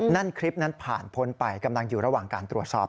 นั่นคลิปนั้นผ่านพ้นไปกำลังอยู่ระหว่างการตรวจสอบ